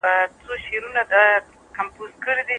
استازو به د اوبو د نويو بندونو د جوړولو قراردادونه ارزولي وي.